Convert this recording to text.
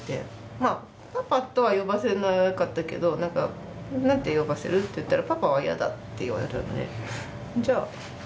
まあパパとは呼ばせなかったけど「なんて呼ばせる？」って言ったら「パパは嫌だ」って言われたんでじゃあ。